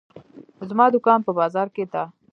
زما دوکان په بازار کې ده.